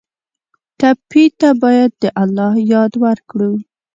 ټپي ته باید د الله یاد ورکړو.